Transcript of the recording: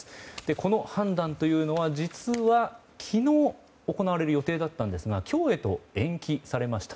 この判断というのは実は、昨日行われる予定だったんですが今日へと延期されました。